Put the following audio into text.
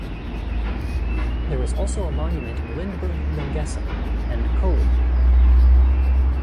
There is also a monument honouring Lindbergh, Nungesser, and Coli.